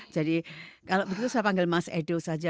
jadi kalau begitu saya panggil mas edo saja